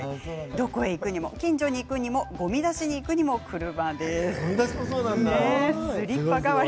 どこへ行くにも近所に行くにもごみ出しに行くにも車です。